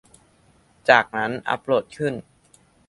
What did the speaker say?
จากนั้นอัปโหลดขึ้น